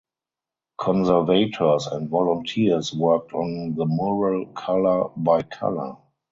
Conservators and volunteers worked on the mural colour by colour.